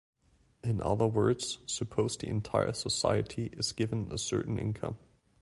In other words, suppose the entire society is given a certain income.